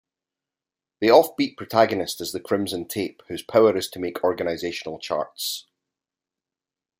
The off-beat protagonist is the Crimson Tape, whose power is to make organizational charts.